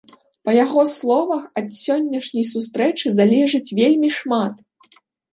Па яго словах, ад сённяшняй сустрэчы залежыць вельмі шмат.